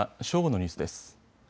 正午のニュースです。